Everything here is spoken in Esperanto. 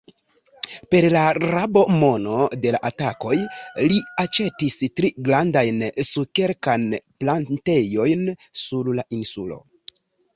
Per la rabo-mono de la atakoj li aĉetis tri grandajn sukerkan-plantejojn sur la insulo.